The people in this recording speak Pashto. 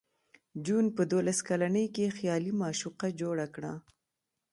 جون په دولس کلنۍ کې خیالي معشوقه جوړه کړه